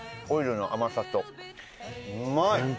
オイルの甘さとうまい！